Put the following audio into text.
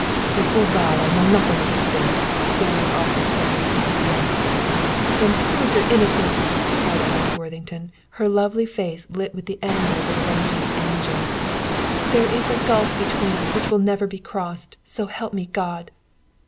"Before God, I know nothing of his fate!" stammered Arthur Ferris, in despair. "Then prove your innocence!" cried Alice Worthington, her lovely face lit with the anger of an avenging angel. "There is a gulf between us which will never be crossed, so help me, God!"